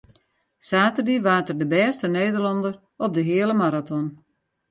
Saterdei waard er de bêste Nederlanner op de heale maraton.